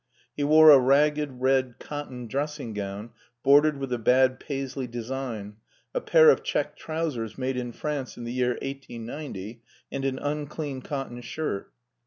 He wore a ragged red cotton dressing gown bordered with a bad Paisley design, a pair of check trousers made in France in the year 1890, and an unclean cotton shirt.